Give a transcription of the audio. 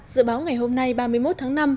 dự báo ngày hôm nay ba mươi một tháng năm